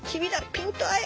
ピント合え！